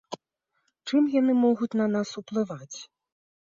Чым яны могуць на нас уплываць?